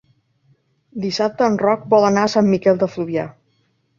Dissabte en Roc vol anar a Sant Miquel de Fluvià.